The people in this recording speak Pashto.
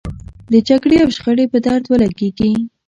د جګړې او شخړې په درد ولګېږي.